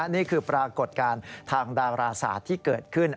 นี่คือปรากฏการณ์ทางดาราศาสตร์ที่เกิดขึ้น